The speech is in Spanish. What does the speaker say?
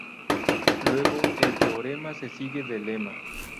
Luego el teorema se sigue del lema.